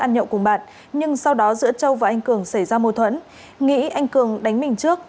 ăn nhậu cùng bạn nhưng sau đó giữa châu và anh cường xảy ra mô thuẫn nghĩ anh cường đánh mình trước